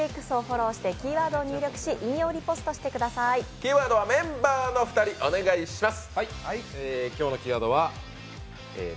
キーワードはメンバーのお二人、お願いします。